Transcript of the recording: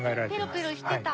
ペロペロしてた。